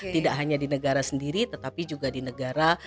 tidak hanya di negara sendiri tetapi juga di negara